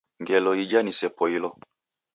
Ngelo ija nisepoilo.